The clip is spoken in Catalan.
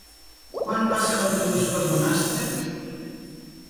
Quan passa l'autobús per Bonastre?